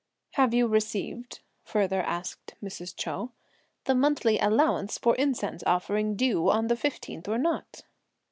"Have you received," further asked Mrs. Chou, "the monthly allowance for incense offering due on the fifteenth or not?"